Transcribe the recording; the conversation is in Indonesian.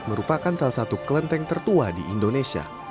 merupakan salah satu kelenteng tertua di indonesia